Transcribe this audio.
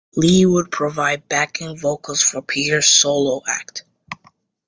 Lee would provide backing vocals for Peters' solo act.